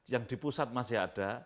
yang di pusat masih ada